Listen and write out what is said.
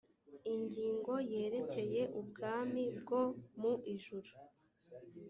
ingingo yerekeye ubwami bwo mu ijuru